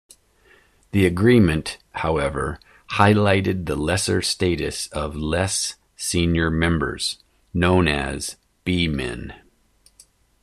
The agreement, however, highlighted the lesser status of less senior members, known as B-men.